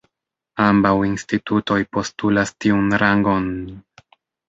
Ambaŭ institutoj postulas tiun rangon.